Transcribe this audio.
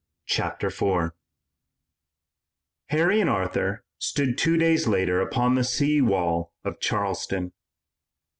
CHAPTER IV THE FIRST CAPITAL Harry and Arthur stood two days later upon the sea wall of Charleston.